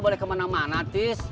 boleh ke mana mana tis